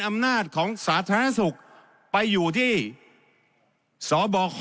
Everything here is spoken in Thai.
เอาอมนาศของศาสนสุขไปอยู่ที่เสาอ์บ่อคลอ